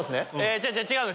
違う違う違うの。